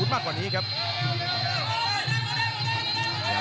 กำปั้นขวาสายวัดระยะไปเรื่อย